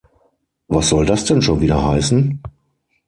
Was soll das denn schon wieder heißen?